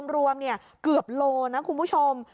รวมเกือบโลนะคุณผู้ชม